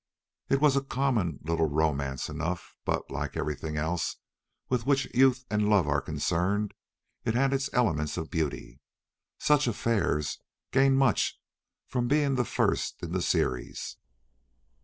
It was a common little romance enough, but, like everything else with which youth and love are concerned, it had its elements of beauty. Such affairs gain much from being the first in the series.